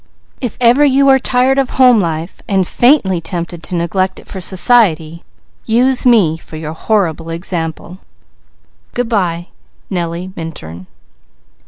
If ever you are tired of home life and faintly tempted to neglect it for society, use me for your horrible example. Good bye,_ NELLIE MINTURN.